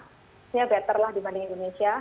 sebenarnya better lah dibanding indonesia